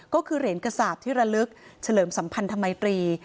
ก็คือเหรียญกษาบที่ระลึกเฉลิมสัมพันธ์ธรรมิตรี